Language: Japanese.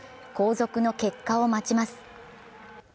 後続の結果を待ちます。